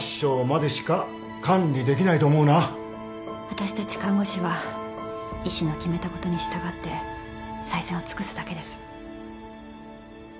私たち看護師は医師の決めたことに従って最善を尽くすだけです。